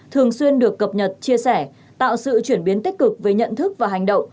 thường xuyên được cập nhật chia sẻ tạo sự chuyển biến tích cực về nhận thức và hành động